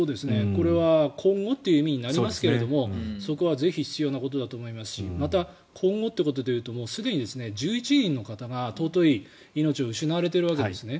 これは今後という意味になりますがそこはぜひ必要なことだと思いますし今後ということでいうとすでに１１人の方が尊い命が失われているわけですね。